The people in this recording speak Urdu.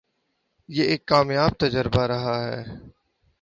یہ ایک کامیاب تجربہ رہا ہے۔